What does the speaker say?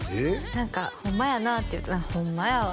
何か「ホンマやなあ」っていうと「ホンマやわ」